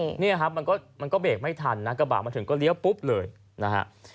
เนี่ยครับมันก็มันก็เบรกไม่ทันนะกระบะมาถึงก็เลี้ยวปุ๊บเลยนะฮะ